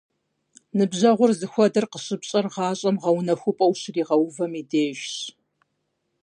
Ныбжьэгъур зыхуэдэр къыщыпщӀэр гъащӀэм гъэунэхупӀэ ущригъэувэм и дежщ.